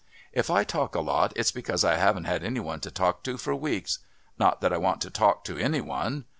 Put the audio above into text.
"If I talk a lot it's because I haven't had any one to talk to for weeks. Not that I want to talk to any one.